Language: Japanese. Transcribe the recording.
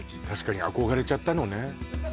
確かに憧れちゃったのね